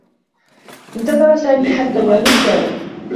انتظر سامي حتّى اليوم التّالي.